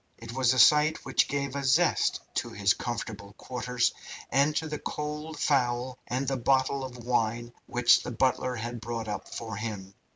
It was a sight which gave a zest to his comfortable quarters, and to the cold fowl and the bottle of wine which the butler had brought up for him.